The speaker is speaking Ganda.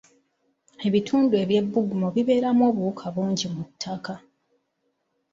Ebitundu eby'ebbugumu bibeeramu obuwuka bungi mu ttaka